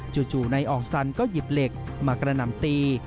จู่นายอ่องสันก็หยิบเหล็กมากระหน่ำตี